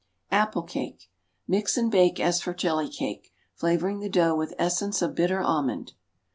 Apple cake. Mix and bake as for jelly cake, flavoring the dough with essence of bitter almond.